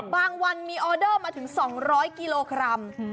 วันมีออเดอร์มาถึง๒๐๐กิโลกรัม